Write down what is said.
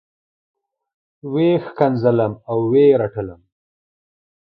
وه یې ښکنځلم او رټلم.